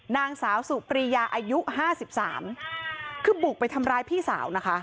นางสาวสุปรียาอายุห้าสิบสามคือบุกไปทำร้ายพี่สาวนะคะ